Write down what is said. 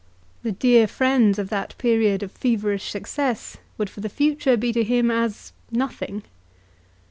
The dear friends of that period of feverish success would for the future be to him as nothing.